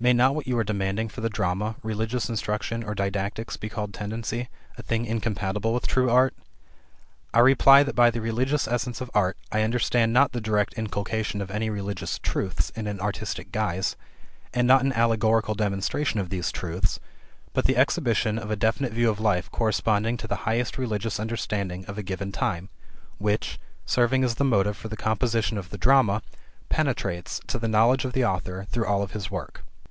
May not what you are demanding for the drama, religious instruction, or didactics, be called 'tendency,' a thing incompatible with true art?" I reply that by the religious essence of art I understand not the direct inculcation of any religious truths in an artistic guise, and not an allegorical demonstration of these truths, but the exhibition of a definite view of life corresponding to the highest religious understanding of a given time, which, serving as the motive for the composition of the drama, penetrates, to the knowledge of the author, through all of his work.